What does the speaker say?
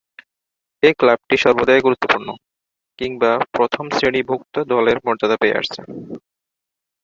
এ ক্লাবটি সর্বদাই গুরুত্বপূর্ণ কিংবা প্রথম-শ্রেণীভূক্ত দলের মর্যাদা পেয়ে আসছে।